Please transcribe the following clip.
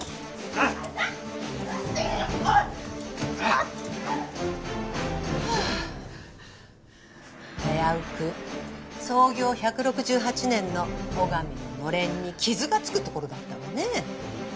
ハァ危うく創業１６８年の尾上ののれんに傷が付くところだったわね。